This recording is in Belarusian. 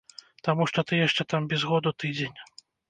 Таму што ты яшчэ там без году тыдзень.